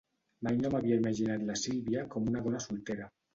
Mai no m'havia imaginat la Sílvia com una dona soltera.